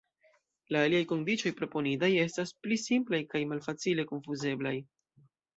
La aliaj kondiĉoj proponitaj estas pli simplaj kaj malfacile konfuzeblaj.